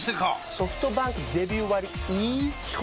ソフトバンクデビュー割イズ基本